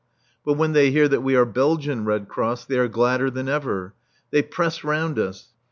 But when they hear that we are Belgian Red Cross they are gladder than ever. They press round us.